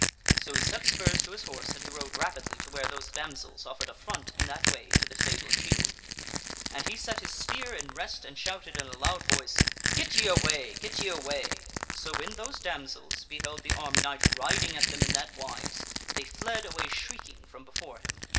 So he set spurs to his horse and he rode rapidly to where those damsels offered affront in that way to the sable shield. And he set his spear in rest and shouted in a loud voice, " Get ye away ! Get ye away !" So when those damsels beheld the armed knight riding at them in that wise they fled away shrieking from before him.